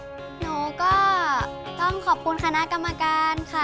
หนูก็ต้องขอบคุณคณะกรรมการค่ะ